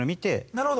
なるほど。